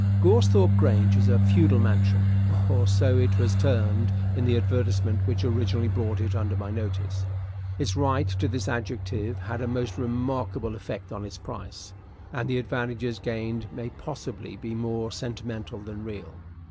Goresthorpe Grange is a feudal mansion or so it was termed in the advertisement which originally brought it under my notice. Its right to this adjective had a most remarkable effect upon its price, and the advantages gained may possibly be more sentimental than real.